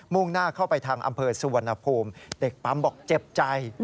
่งหน้าเข้าไปทางอำเภอสุวรรณภูมิเด็กปั๊มบอกเจ็บใจ